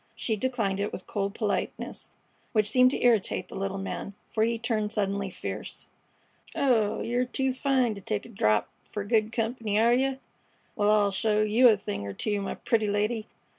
She declined it with cold politeness, which seemed to irritate the little man, for he turned suddenly fierce. "Oh, yer too fine to take a drap fer good comp'ny, are yeh? Wal, I'll show yeh a thing er two, my pretty lady.